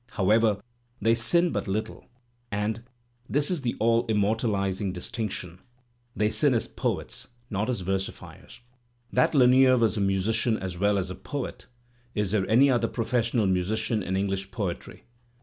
However, they sin but little and — this is the all immortalizing distinction — they sin as poets, not as versifiers. That Lanier was a musician as well as a poet (is there any other professional musician in English poetry?)